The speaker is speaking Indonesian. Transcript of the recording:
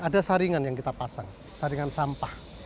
ada saringan yang kita pasang saringan sampah